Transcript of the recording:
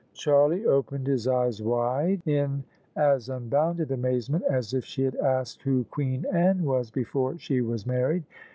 Charlie opened his eyes wide, in as unbounded amazement as if she had asked who Queen Anne was before she was married.